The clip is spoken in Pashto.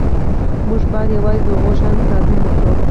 موږ باید یوازې د هغو شیانو تعظیم وکړو